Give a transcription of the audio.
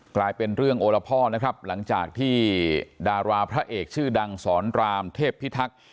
กลายเป็นเรื่องโอละพ่อนะครับหลังจากที่ดาราพระเอกชื่อดังสอนรามเทพพิทักษ์